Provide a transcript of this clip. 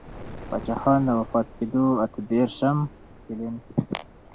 پــاچــاخــان د وفــات کـېـدو اته درېرشم تـلـيـن.